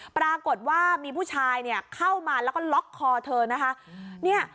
ปรากฏว่ามีผู้ชายเนี่ยเข้ามาแล้วก็ล็อกคอเธอนะคะ